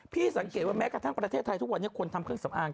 สังเกตว่าแม้กระทั่งประเทศไทยทุกวันนี้คนทำเครื่องสำอาง